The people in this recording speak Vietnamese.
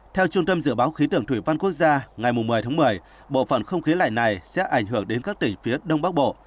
theo trung tâm dự báo khí tượng thủy văn quốc gia ngày một mươi tháng một mươi bộ phận không khí lạnh này sẽ ảnh hưởng đến các tỉnh phía đông bắc bộ